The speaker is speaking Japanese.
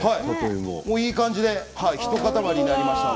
いい感じでひとかたまりになりました。